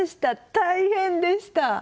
大変でした。